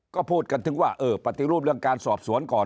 ก็พูดกันถึงว่าเออปฏิรูปเรื่องการสอบสวนก่อน